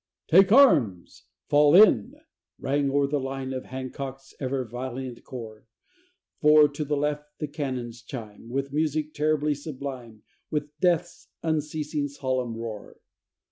"Take arms!" "Fall in!" rang o'er the line Of Hancock's ever valiant corps For to the left the cannons chime With music terribly sublime, With death's unceasing, solemn roar.